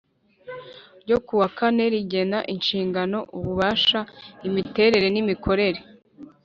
ryo ku wa kane rigena inshingano ububasha imiterere n imikorere